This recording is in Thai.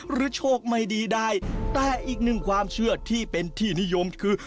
โชคไม่ดีได้แต่อีกหนึ่งความเชื่อที่เป็นที่นิยมคือ